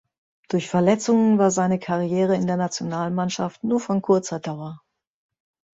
Durch Verletzungen war seine Karriere in der Nationalmannschaft nur von kurzer Dauer.